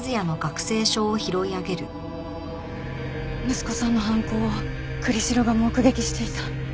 息子さんの犯行を栗城が目撃していた？